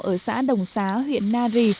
ở xã đồng xá huyện na rì